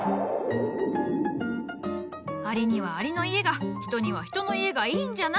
アリにはアリの家が人には人の家がいいんじゃな。